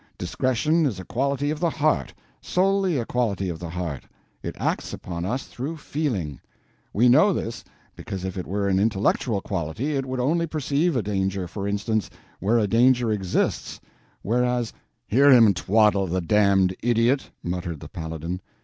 Discretion is a quality of the heart—solely a quality of the heart; it acts upon us through feeling. We know this because if it were an intellectual quality it would only perceive a danger, for instance, where a danger exists; whereas—" "Hear him twaddle—the damned idiot!" muttered the Paladin.